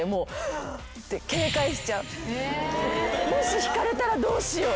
もし弾かれたらどうしよう。